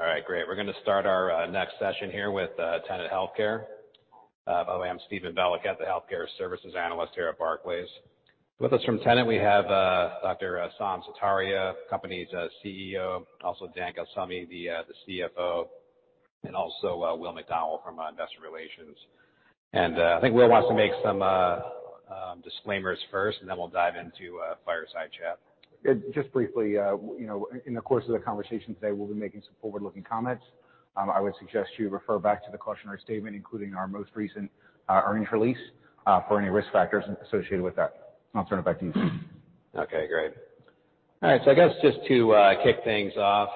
All right, great. We're gonna start our next session here with Tenet Healthcare. By the way, I'm Steve Valiquette, the Healthcare Services Analyst here at Barclays. With us from Tenet, we have Dr. Saum Sutaria, company's CEO, also Dan Cancelmi, the CFO, and also Will McDowell from Investor Relations. I think Will wants to make some disclaimers first, and then we'll dive into a fireside chat. Just briefly, you know, in the course of the conversation today, we'll be making some forward-looking comments. I would suggest you refer back to the cautionary statement, including our most recent earnings release, for any risk factors associated with that. I'll turn it back to you, Steve. Okay, great. All right, I guess just to kick things off,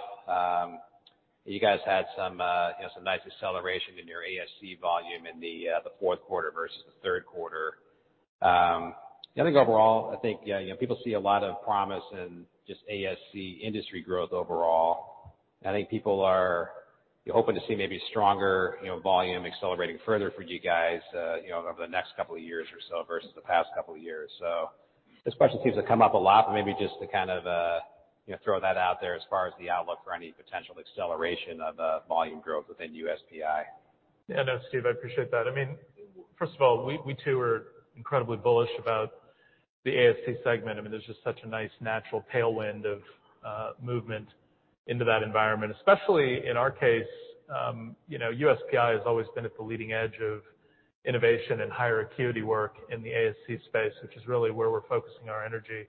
you guys had some, you know, some nice acceleration in your ASC volume in the fourth quarter versus the third quarter. I think overall, I think, you know, people see a lot of promise in just ASC industry growth overall. I think people are, you know, hoping to see maybe stronger, you know, volume accelerating further for you guys, you know, over the next couple of years or so versus the past couple of years. This question seems to come up a lot, but maybe just to kind of, you know, throw that out there as far as the outlook for any potential acceleration of volume growth within USPI. Yeah, no, Steve, I appreciate that. I mean, first of all, we too are incredibly bullish about the ASC segment. I mean, there's just such a nice natural tailwind of movement into that environment, especially in our case, you know, USPI has always been at the leading edge of innovation and higher acuity work in the ASC space, which is really where we're focusing our energy.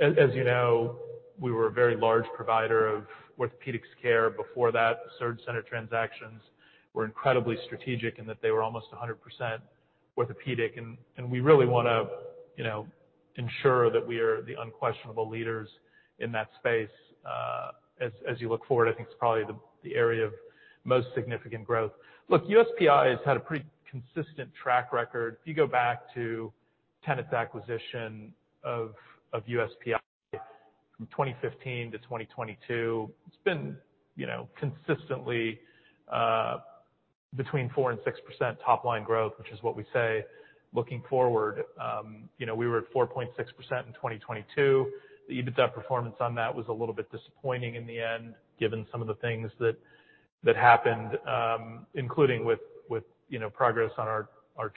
As you know, we were a very large provider of orthopedics care before that. The SurgCenter transactions were incredibly strategic in that they were almost 100% orthopedic, and we really wanna, you know, ensure that we are the unquestionable leaders in that space. As you look forward, I think it's probably the area of most significant growth. Look, USPI has had a pretty consistent track record. If you go back to Tenet's acquisition of USPI from 2015 to 2022, it's been, you know, consistently between 4% and 6% top line growth, which is what we say looking forward. You know, we were at 4.6% in 2022. The EBITDA performance on that was a little bit disappointing in the end, given some of the things that happened, including with, you know, progress on our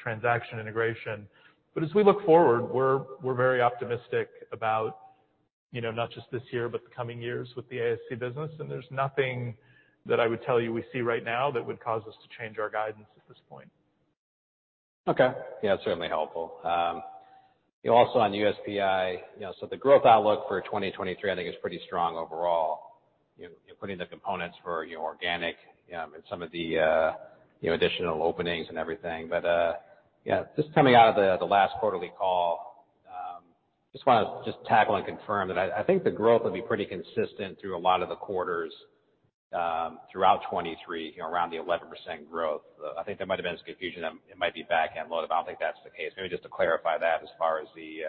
transaction integration. As we look forward, we're very optimistic about, you know, not just this year, but the coming years with the ASC business. There's nothing that I would tell you we see right now that would cause us to change our guidance at this point. Okay. Yeah, certainly helpful. You know, also on USPI, the growth outlook for 2023 I think is pretty strong overall. You know, putting the components for, you know, organic, and some of the, you know, additional openings and everything. Yeah, just coming out of the last quarterly call, just wanna just tackle and confirm that I think the growth will be pretty consistent through a lot of the quarters, throughout 2023, you know, around the 11% growth. I think there might've been some confusion, it might be back end load, but I don't think that's the case. Maybe just to clarify that as far as the, you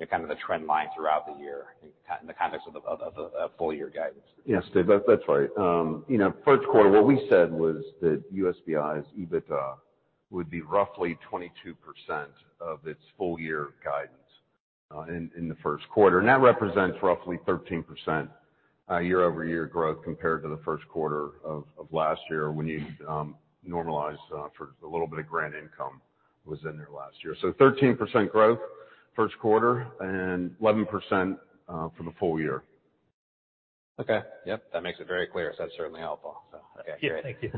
know, kind of the trend line throughout the year in the context of the full year guidance. Yeah, Steve, that's right. You know, first quarter, what we said was that USPI's EBITDA would be roughly 22% of its full year guidance in the first quarter. That represents roughly 13% year-over-year growth compared to the first quarter of last year when you normalize for the little bit of grant income was in there last year. 13% growth first quarter and 11% for the full year. Okay. Yep. That makes it very clear, so that's certainly helpful. Okay, great. Yeah. Thank you.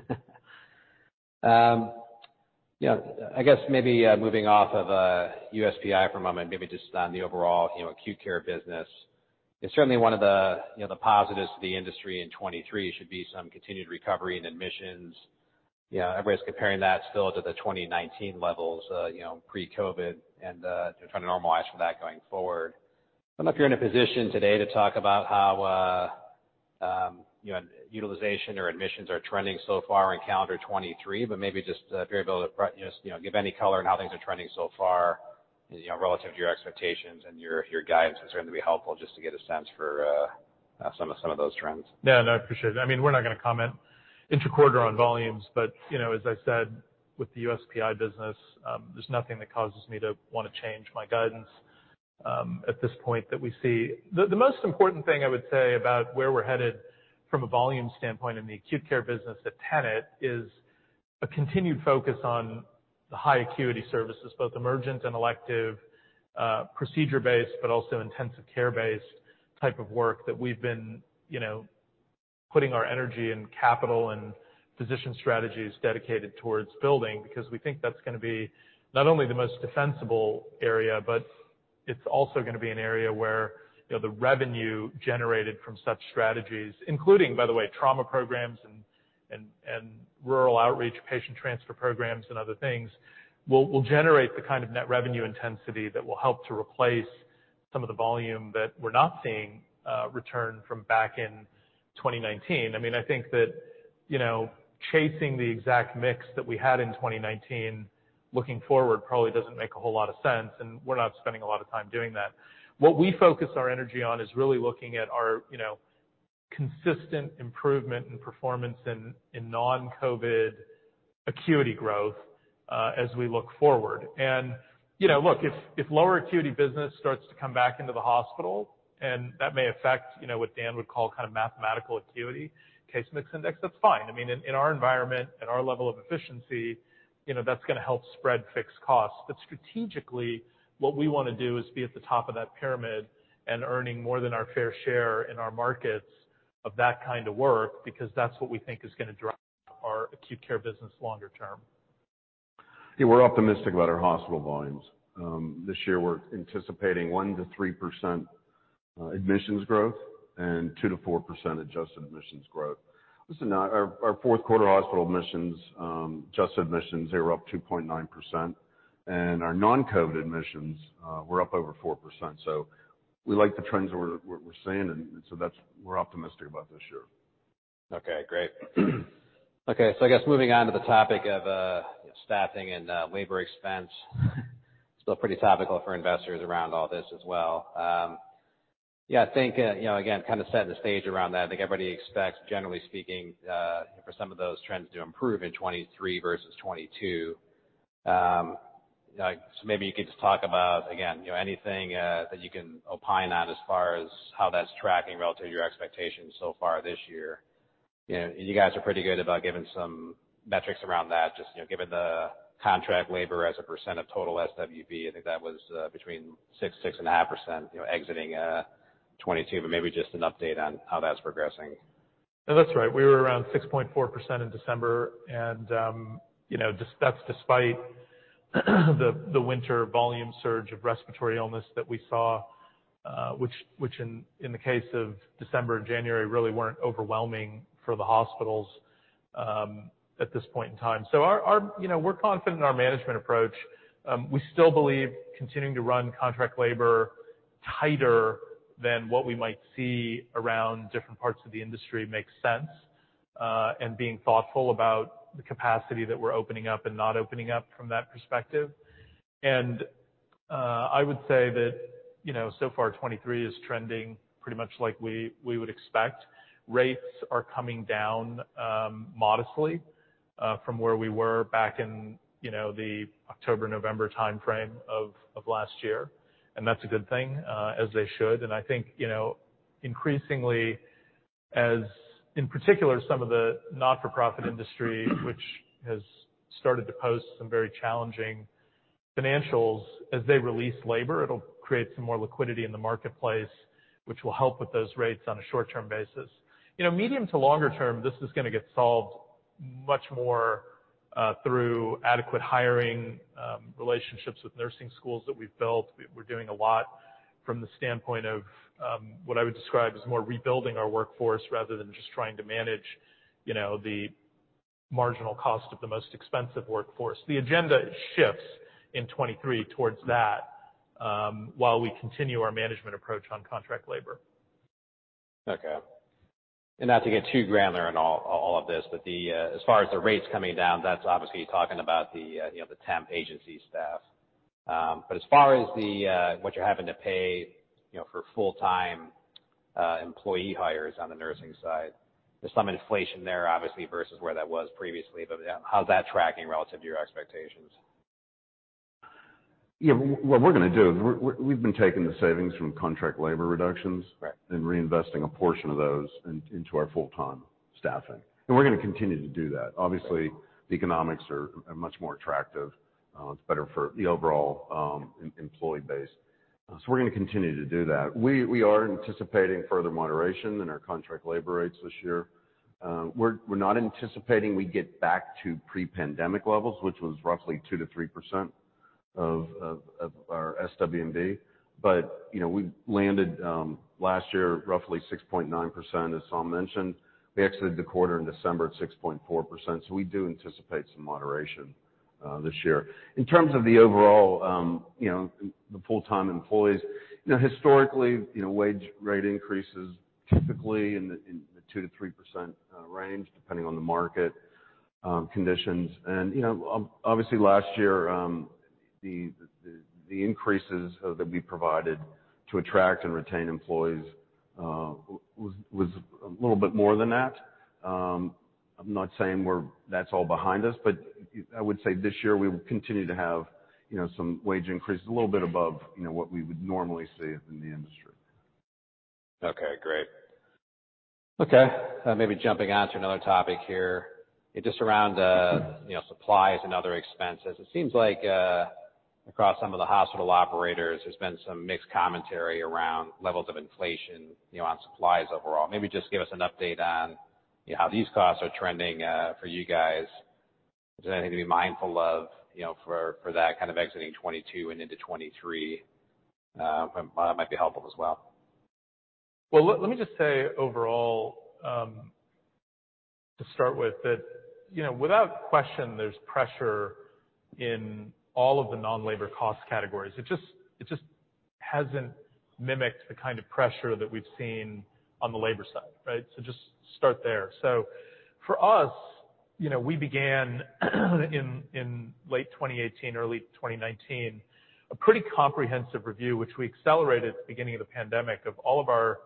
Yeah, I guess maybe moving off of USPI for a moment, maybe just on the overall, you know, acute care business. It's certainly one of the, you know, the positives to the industry in 2023 should be some continued recovery in admissions. You know, everybody's comparing that still to the 2019 levels, you know, pre-COVID, and they're trying to normalize for that going forward. I don't know if you're in a position today to talk about how, you know, utilization or admissions are trending so far in calendar 2023, but maybe just if you're able to just, you know, give any color on how things are trending so far, you know, relative to your expectations and your guidance. It's going to be helpful just to get a sense for some of those trends. No, I appreciate it. I mean, we're not gonna comment inter-quarter on volumes, you know, as I said, with the USPI business, there's nothing that causes me to wanna change my guidance, at this point that we see. The most important thing I would say about where we're headed from a volume standpoint in the acute care business at Tenet is a continued focus on the high acuity services, both emergent and elective, procedure-based, but also intensive care-based type of work that we've been, you know, putting our energy and capital and physician strategies dedicated towards building, because we think that's gonna be not only the most defensible area, but it's also gonna be an area where, you know, the revenue generated from such strategies, including by the way, trauma programs and rural outreach, patient transfer programs and other things, will generate the kind of net revenue intensity that will help to replace some of the volume that we're not seeing, return from back in 2019. I think that, you know, chasing the exact mix that we had in 2019 looking forward probably doesn't make a whole lot of sense, and we're not spending a lot of time doing that. What we focus our energy on is really looking at our, you know, consistent improvement in performance in non-COVID acuity growth, as we look forward. You know, look, if lower acuity business starts to come back into the hospital, and that may affect, you know, what Dan would call kind of mathematical acuity, case mix index, that's fine. In, in our environment, at our level of efficiency, you know, that's gonna help spread fixed costs. Strategically, what we wanna do is be at the top of that pyramid and earning more than our fair share in our markets of that kind of work because that's what we think is gonna drive our acute care business longer term. Yeah, we're optimistic about our hospital volumes. This year, we're anticipating 1%-3% admissions growth and 2%-4% adjusted admissions growth. Listen, our fourth quarter hospital admissions, adjusted admissions, they were up 2.9%, and our non-COVID admissions were up over 4%. We like the trends we're seeing. We're optimistic about this year. I guess moving on to the topic of staffing and labor expense. Still pretty topical for investors around all this as well. I think, you know, again, kind of setting the stage around that. I think everybody expects, generally speaking, for some of those trends to improve in 2023 versus 2022. Maybe you could just talk about, again, you know, anything that you can opine on as far as how that's tracking relative to your expectations so far this year. You know, you guys are pretty good about giving some metrics around that. Just, you know, given the contract labor as a percent of total SWB, I think that was between 6%-6.5%, you know, exiting 2022. Maybe just an update on how that's progressing. No, that's right. We were around 6.4% in December. That's despite the winter volume surge of respiratory illness that we saw, which in the case of December and January, really weren't overwhelming for the hospitals at this point in time. You know, we're confident in our management approach. We still believe continuing to run contract labor tighter than what we might see around different parts of the industry makes sense and being thoughtful about the capacity that we're opening up and not opening up from that perspective. I would say that, you know, so far, 2023 is trending pretty much like we would expect. Rates are coming down modestly from where we were back in, you know, the October-November timeframe of last year. That's a good thing, as they should. I think, you know, increasingly, as in particular, some of the not-for-profit industry, which has started to post some very challenging financials. As they release labor, it'll create some more liquidity in the marketplace, which will help with those rates on a short-term basis. You know, medium to longer term, this is gonna get solved much more through adequate hiring, relationships with nursing schools that we've built. We're doing a lot from the standpoint of what I would describe as more rebuilding our workforce rather than just trying to manage, you know, the marginal cost of the most expensive workforce. The agenda shifts in 2023 towards that, while we continue our management approach on contract labor. Okay. Not to get too granular in all of this, but as far as the rates coming down, that's obviously talking about the, you know, the temp agency staff. As far as the, what you're having to pay, you know, for full-time, employee hires on the nursing side, there's some inflation there obviously versus where that was previously, but how's that tracking relative to your expectations? Yeah. We've been taking the savings from contract labor reductions. Right And reinvesting a portion of those into our full-time staffing, and we're gonna continue to do that. Obviously, the economics are much more attractive. It's better for the overall employee base. So we're gonna continue to do that. We are anticipating further moderation in our contract labor rates this year. We're not anticipating we get back to pre-pandemic levels, which was roughly 2%-3% of our SWB. You know, we landed last year, roughly 6.9%, as Saum mentioned. We exited the quarter in December at 6.4%, so we do anticipate some moderation this year. In terms of the overall, you know, the full-time employees, you know, historically, you know, wage rate increases typically in the 2%-3% range, depending on the market conditions. You know, obviously last year, the increases that we provided to attract and retain employees, was a little bit more than that. I'm not saying that's all behind us, but I would say this year we will continue to have, you know, some wage increases a little bit above, you know, what we would normally see in the industry. Okay, great. Okay, maybe jumping on to another topic here. Just around, you know, supplies and other expenses. It seems like, across some of the hospital operators, there's been some mixed commentary around levels of inflation, you know, on supplies overall. Maybe just give us an update on, you know, how these costs are trending, for you guys. Is there anything to be mindful of, you know, for that kind of exiting 2022 and into 2023, that might be helpful as well? Well, let me just say overall, to start with, that, you know, without question, there's pressure in all of the non-labor cost categories. It just hasn't mimicked the kind of pressure that we've seen on the labor side, right? Just start there. For us, you know, we began in late 2018, early 2019, a pretty comprehensive review, which we accelerated at the beginning of the pandemic of all of our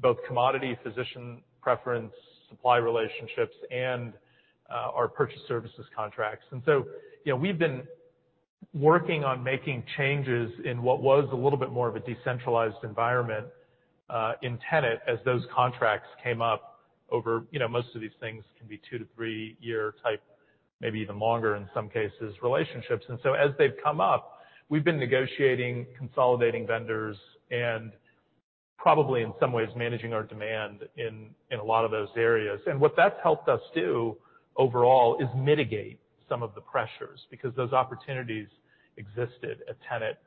both commodity physician preference, supply relationships and our purchase services contracts. You know, we've been working on making changes in what was a little bit more of a decentralized environment in Tenet as those contracts came up over, you know, most of these things can be two to three year type, maybe even longer in some cases, relationships. As they've come up, we've been negotiating, consolidating vendors, and probably in some ways, managing our demand in a lot of those areas. What that's helped us do overall is mitigate some of the pressures because those opportunities existed at Tenet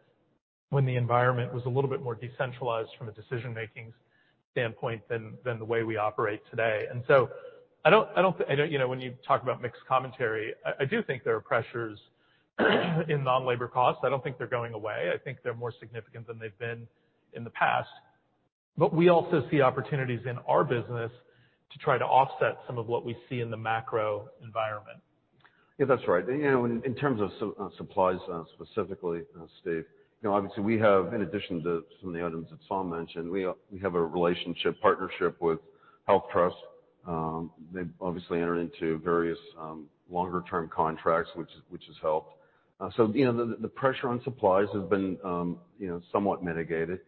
when the environment was a little bit more decentralized from a decision-making standpoint than the way we operate today. You know, when you talk about mixed commentary, I do think there are pressures in non-labor costs. I don't think they're going away. I think they're more significant than they've been in the past. We also see opportunities in our business to try to offset some of what we see in the macro environment. Yeah, that's right. You know, in terms of supplies, specifically, Steve, you know, obviously, we have, in addition to some of the items that Saum mentioned, we have a relationship partnership with HealthTrust. They've obviously entered into various, longer term contracts, which has helped. You know, the pressure on supplies has been, you know, somewhat mitigated.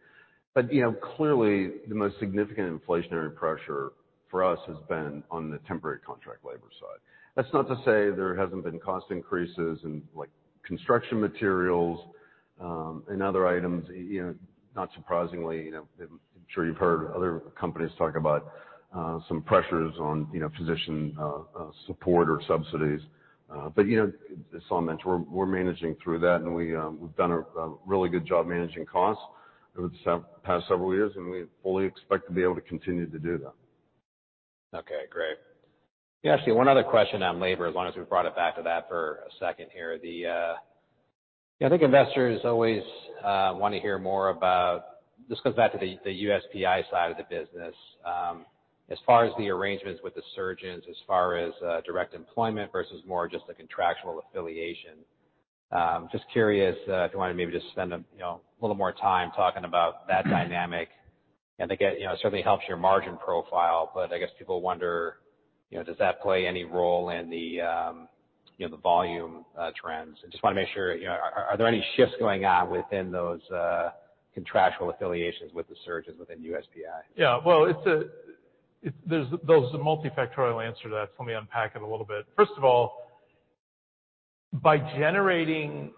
You know, clearly the most significant inflationary pressure for us has been on the temporary contract labor side. That's not to say there hasn't been cost increases in like construction materials, and other items, you know, not surprisingly, you know, I'm sure you've heard other companies talk about, some pressures on, you know, physician, support or subsidies. You know, as Saum mentioned, we're managing through that and we've done a really good job managing costs over the past several years, and we fully expect to be able to continue to do that. Okay, great. Yeah, actually one other question on labor, as long as we brought it back to that for a second here. I think investors always wanna hear more about. This goes back to the USPI side of the business, as far as the arrangements with the surgeons, as far as direct employment versus more just a contractual affiliation. Just curious, if you wanna maybe just spend a, you know, a little more time talking about that dynamic. Again, you know, it certainly helps your margin profile, but I guess people wonder, you know, does that play any role in the, you know, the volume trends? I just wanna make sure, you know, are there any shifts going on within those, contractual affiliations with the surgeons within USPI? Well, there's a multifactorial answer to that, so let me unpack it a little bit. First of all, by generating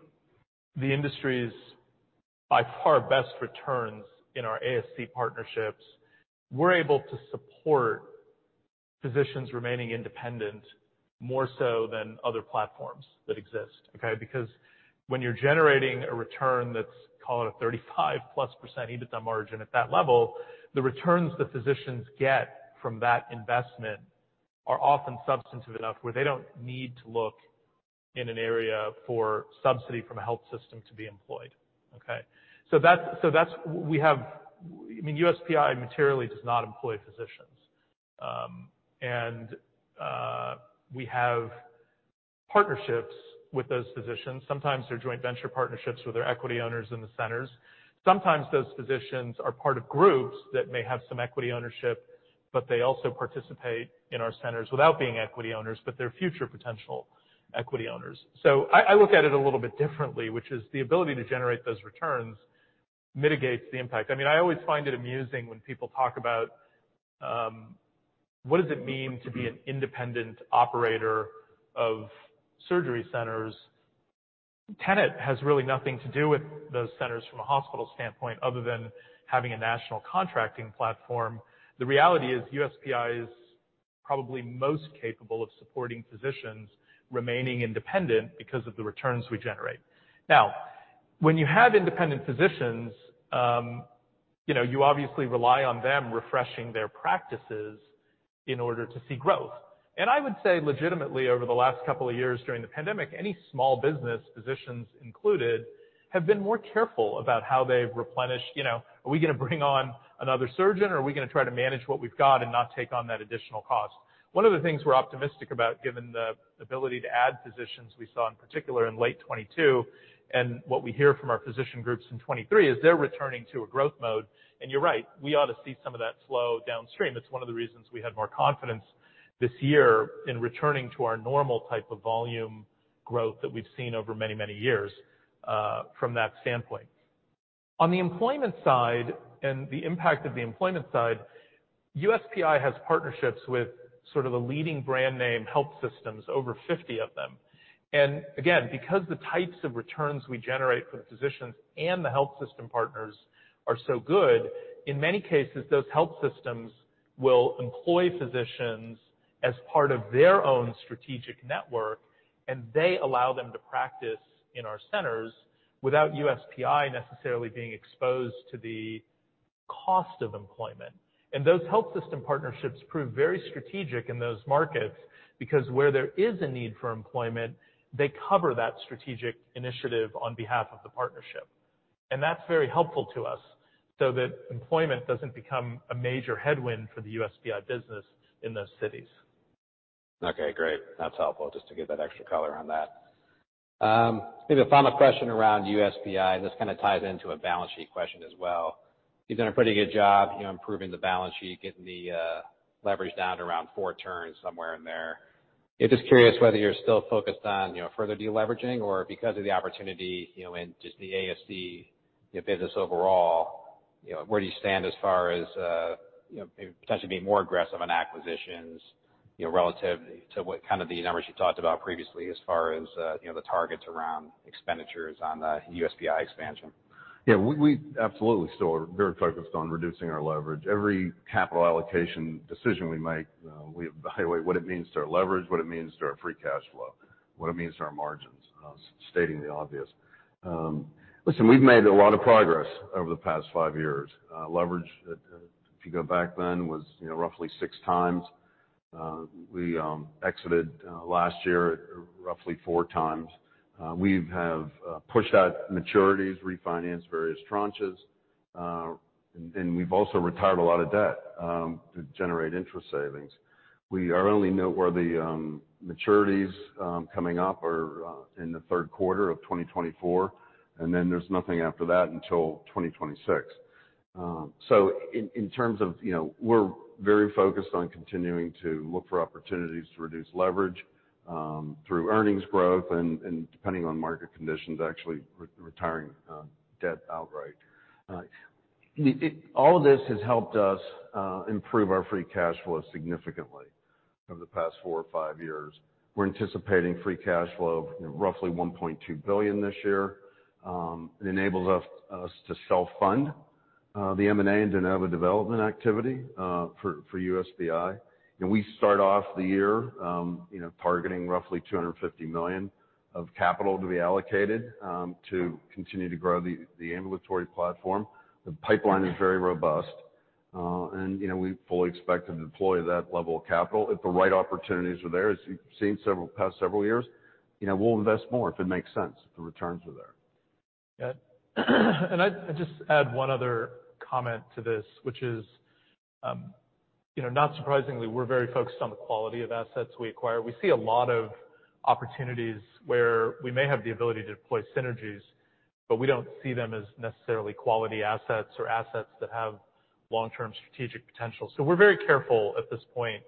the industry's by far best returns in our ASC partnerships, we're able to support physicians remaining independent, more so than other platforms that exist, okay. When you're generating a return that's, call it a 35%+ EBITDA margin at that level, the returns the physicians get from that investment are often substantive enough where they don't need to look in an area for subsidy from a health system to be employed, okay. That's, I mean, USPI materially does not employ physicians. And we have partnerships with those physicians. Sometimes they're joint venture partnerships where they're equity owners in the centers. Sometimes those physicians are part of groups that may have some equity ownership, but they also participate in our centers without being equity owners, but they're future potential equity owners. I look at it a little bit differently, which is the ability to generate those returns mitigates the impact. I mean, I always find it amusing when people talk about what does it mean to be an independent operator of surgery centers. Tenet has really nothing to do with those centers from a hospital standpoint other than having a national contracting platform. The reality is USPI is probably most capable of supporting physicians remaining independent because of the returns we generate. When you have independent physicians, you know, you obviously rely on them refreshing their practices in order to see growth. I would say legitimately over the last couple of years during the pandemic, any small business, physicians included, have been more careful about how they've replenished. You know, are we gonna bring on another surgeon or are we gonna try to manage what we've got and not take on that additional cost? One of the things we're optimistic about, given the ability to add physicians we saw in particular in late 2022 and what we hear from our physician groups in 2023, is they're returning to a growth mode. You're right, we ought to see some of that slow downstream. It's one of the reasons we have more confidence this year in returning to our normal type of volume growth that we've seen over many, many years from that standpoint. On the employment side and the impact of the employment side, USPI has partnerships with sort of the leading brand name health systems, over 50 of them. Again, because the types of returns we generate for the physicians and the health system partners are so good, in many cases, those health systems will employ physicians as part of their own strategic network, and they allow them to practice in our centers without USPI necessarily being exposed to the cost of employment. Those health system partnerships prove very strategic in those markets because where there is a need for employment, they cover that strategic initiative on behalf of the partnership. That's very helpful to us, so that employment doesn't become a major headwind for the USPI business in those cities. Okay, great. That's helpful, just to give that extra color on that. Maybe a final question around USPI. This kinda ties into a balance sheet question as well. You've done a pretty good job, you know, improving the balance sheet, getting the leverage down to around four turns, somewhere in there. Yeah. Just curious whether you're still focused on, you know, further deleveraging or because of the opportunity, you know, in just the ASC business overall, you know, where do you stand as far as, you know, potentially being more aggressive on acquisitions, you know, relative to what kind of the numbers you talked about previously as far as, you know, the targets around expenditures on the USPI expansion? Yeah, we absolutely still are very focused on reducing our leverage. Every capital allocation decision we make, we evaluate what it means to our leverage, what it means to our free cash flow, what it means to our margins. Stating the obvious. Listen, we've made a lot of progress over the past five years. Leverage, if you go back then, was, you know, roughly 6x. We exited last year at roughly 4x. We have pushed out maturities, refinanced various tranches, and we've also retired a lot of debt to generate interest savings. Our only noteworthy maturities coming up are in the third quarter of 2024, and there's nothing after that until 2026. In terms of, you know, we're very focused on continuing to look for opportunities to reduce leverage, through earnings growth and, depending on market conditions, actually retiring debt outright. All of this has helped us improve our free cash flow significantly over the past four or five years. We're anticipating free cash flow of roughly $1.2 billion this year. It enables us to self-fund the M&A and de novo development activity for USPI. We start off the year, you know, targeting roughly $250 million of capital to be allocated to continue to grow the ambulatory platform. The pipeline is very robust, and, you know, we fully expect to deploy that level of capital if the right opportunities are there. As you've seen past several years, you know, we'll invest more if it makes sense, if the returns are there. Yeah. I'd just add one other comment to this, which is, you know, not surprisingly, we're very focused on the quality of assets we acquire. We see a lot of opportunities where we may have the ability to deploy synergies, but we don't see them as necessarily quality assets or assets that have long-term strategic potential. We're very careful at this point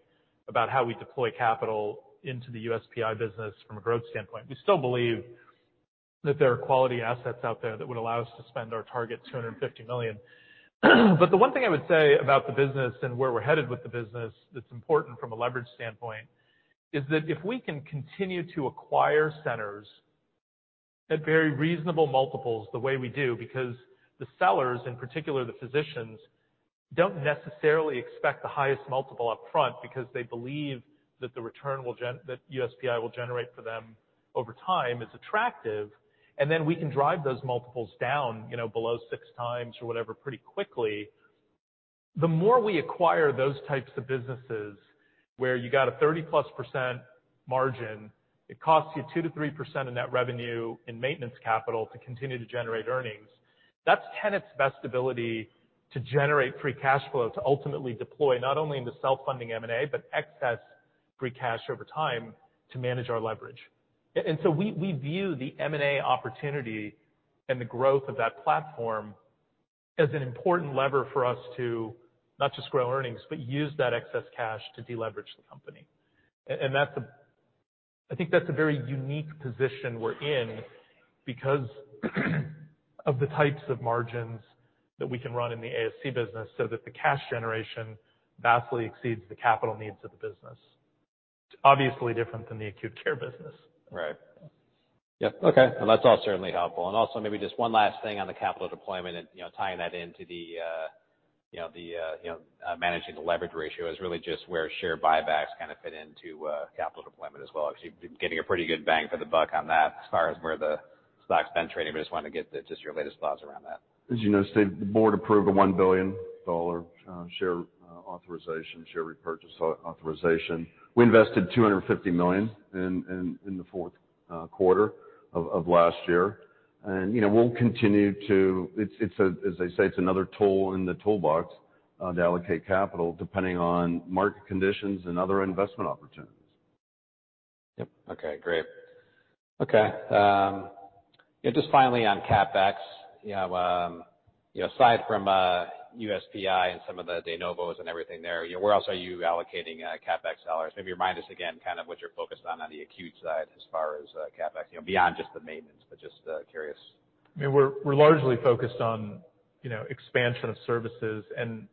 about how we deploy capital into the USPI business from a growth standpoint. We still believe that there are quality assets out there that would allow us to spend our target $250 million. The one thing I would say about the business and where we're headed with the business that's important from a leverage standpoint, is that if we can continue to acquire centers at very reasonable multiples the way we do, because the sellers, in particular the physicians, don't necessarily expect the highest multiple up front because they believe that the return USPI will generate for them over time is attractive. Then we can drive those multiples down, you know, below six times or whatever pretty quickly. The more we acquire those types of businesses where you got a 30%+ margin, it costs you 2%-3% of net revenue and maintenance capital to continue to generate earnings. That's Tenet's best ability to generate free cash flow to ultimately deploy, not only in the self-funding M&A, but excess free cash over time to manage our leverage. So we view the M&A opportunity and the growth of that platform as an important lever for us to not just grow earnings, but use that excess cash to deleverage the company. That's I think that's a very unique position we're in because of the types of margins that we can run in the ASC business so that the cash generation vastly exceeds the capital needs of the business. Obviously different than the acute care business. Right. Yeah. Okay. Well, that's all certainly helpful. Also maybe just one last thing on the capital deployment and, you know, tying that into the, you know, the, you know, managing the leverage ratio is really just where share buybacks kind of fit into capital deployment as well. Obviously, you've been getting a pretty good bang for the buck on that as far as where the stock's been trading. Just wanna get your latest thoughts around that. As you know, Steve, the Board approved a $1 billion share repurchase authorization. We invested $250 million in the fourth quarter of last year. You know, we'll continue to. It's a, as they say, it's another tool in the toolbox to allocate capital depending on market conditions and other investment opportunities. Yep. Okay, great. Okay. Yeah, just finally on CapEx. You know, you know, aside from USPI and some of the de novos and everything there, you know, where else are you allocating CapEx dollars? Maybe remind us again kind of what you're focused on on the acute side as far as CapEx, you know, beyond just the maintenance, but just curious? I mean, we're largely focused on, you know, expansion of services and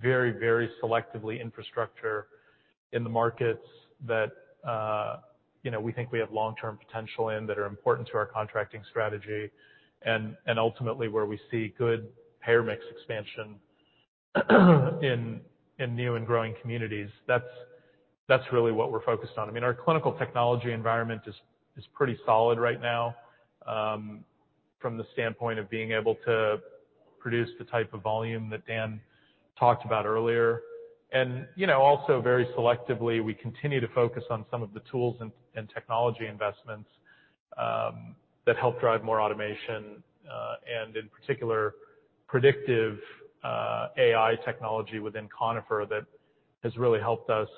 very selectively infrastructure in the markets that, you know, we think we have long-term potential in, that are important to our contracting strategy and ultimately where we see good payer mix expansion in new and growing communities. That's really what we're focused on. I mean, our clinical technology environment is pretty solid right now, from the standpoint of being able to produce the type of volume that Dan talked about earlier. You know, also very selectively, we continue to focus on some of the tools and technology investments that help drive more automation and in particular, predictive AI technology within Conifer that has really helped us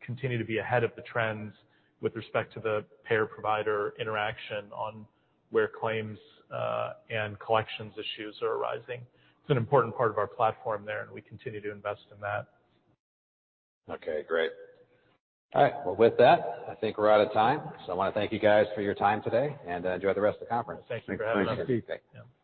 continue to be ahead of the trends with respect to the payer-provider interaction on where claims and collections issues are arising. It's an important part of our platform there, and we continue to invest in that. Okay, great. All right. Well, with that, I think we're out of time. I wanna thank you guys for your time today, and enjoy the rest of the Conference. Thank you for having us. Thank you. Okay.